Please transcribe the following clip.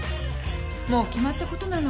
もう決まったことなの。